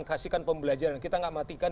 kasihkan pembelajaran kita nggak matikan